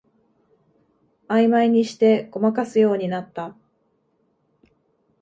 あいまいにしてごまかすようになった